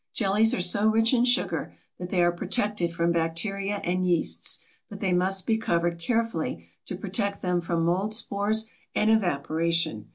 Jellies are so rich in sugar that they are protected from bacteria and yeasts, but they must be covered carefully to protect them from mold spores and evaporation.